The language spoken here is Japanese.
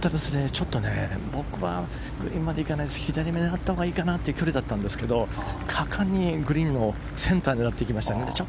ちょっと僕はグリーンまで行かないで左を狙ったほうがいいかなという距離だったんですが果敢にグリーンのセンターを狙ってきましたね。